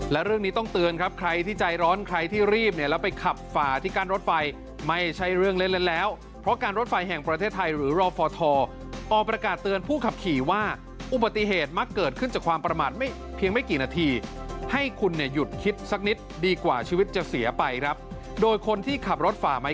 และเรื่องนี้ต้องเตือนครับใครที่ใจร้อนใครที่รีบเนี่ยแล้วไปขับฝ่าที่กั้นรถไฟไม่ใช่เรื่องเล่นเล่นแล้วเพราะการรถไฟแห่งประเทศไทยหรือรอฟทออกประกาศเตือนผู้ขับขี่ว่าอุบัติเหตุมักเกิดขึ้นจากความประมาทไม่เพียงไม่กี่นาทีให้คุณเนี่ยหยุดคิดสักนิดดีกว่าชีวิตจะเสียไปครับโดยคนที่ขับรถฝ่าไม้